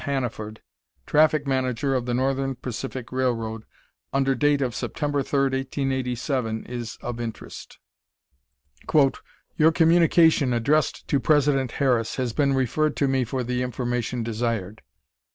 Hannaford, traffic manager of the Northern Pacific Railroad, under date of September 3, 1887, is of interest. "Your communication, addressed to President Harris, has been referred to me for the information desired.